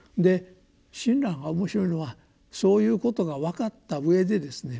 親鸞が面白いのはそういうことが分かったうえでですね